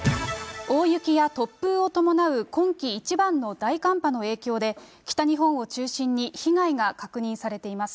大雪や突風を伴う今季一番の大寒波の影響で、北日本を中心に被害が確認されています。